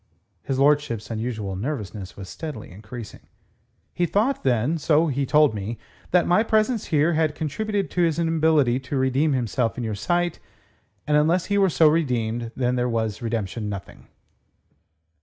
His lordship's unusual nervousness was steadily increasing. "He thought, then so he told me that my presence here had contributed to his inability to redeem himself in your sight; and unless he were so redeemed, then was redemption nothing."